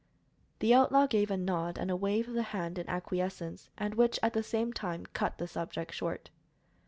The outlaw gave a nod and a wave of the hand in acquiescence, and which, at the same time, cut the subject short.